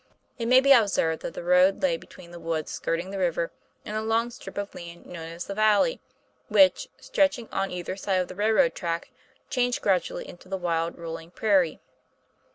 It may be observed, that the road lay between the woods skirting the river and a long strip of land known as the valley, which, stretching on either side of the railroad track, changed gradually into the wild, rolling prairie.